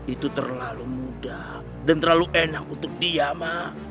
itu terlalu mudah dan terlalu enak untuk dia ma